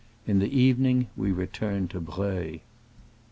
In the evening we returned to Breuil.